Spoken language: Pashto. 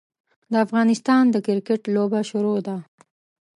د افغانستان د کرکیټ لوبه شروع ده.